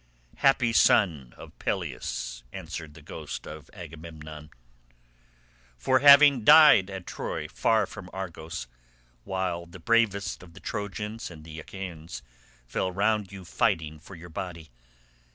"Happy son of Peleus," answered the ghost of Agamemnon, "for having died at Troy far from Argos, while the bravest of the Trojans and the Achaeans fell round you fighting for your body.